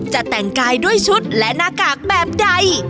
จะแต่งกายด้วยชุดและหน้ากากแบบใด